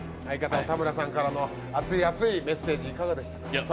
相方・田村さんからの熱い熱いメッセージいかがでしたか？